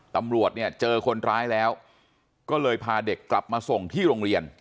ตำรวจเนี่ยเจอคนร้ายแล้วก็เลยพาเด็กกลับมาส่งที่โรงเรียน